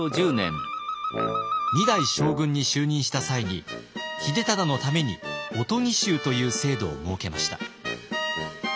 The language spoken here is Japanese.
２代将軍に就任した際に秀忠のために御伽衆という制度を設けました。